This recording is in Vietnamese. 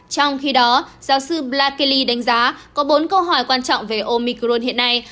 trong khi đó giáo sư black kelly đánh giá có bốn câu hỏi quan trọng về omicron hiện nay